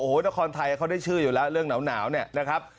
โอ้โหนครไทยเขาได้ชื่ออยู่แล้วเรื่องหนาวเนี่ยนะครับ